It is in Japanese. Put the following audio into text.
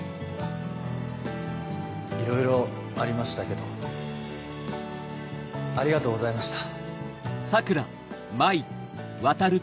いろいろありましたけどありがとうございました。